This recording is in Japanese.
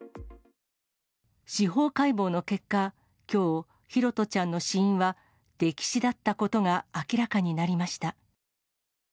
司法解剖の結果、きょう、拓杜ちゃんの死因は溺死だったことが明らかになりました。